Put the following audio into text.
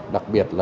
đặc biệt là